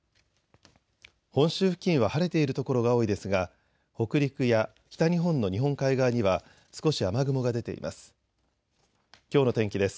本州付近は晴れている所が多いですが北陸や北日本の日本海側には少し雨雲が出ています。